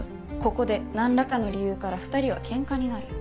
ここで何らかの理由から２人はケンカになる。